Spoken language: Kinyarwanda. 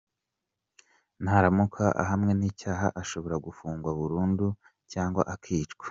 Naramuka ahamwe n’icyaha ashobora gufungwa burundu cyangwa akicwa.